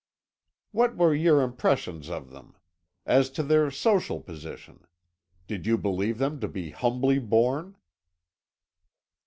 "What were your impressions of them? As to their social position? Did you believe them to be humbly born?"